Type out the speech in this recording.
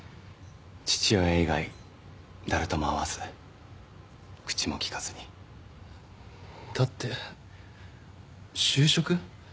父親以外誰とも会わず口もきかずにだって就職？